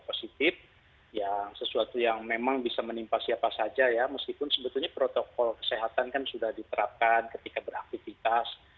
positif yang sesuatu yang memang bisa menimpa siapa saja ya meskipun sebetulnya protokol kesehatan kan sudah diterapkan ketika beraktivitas